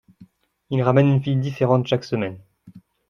il ramène une fille différente chaque semaine.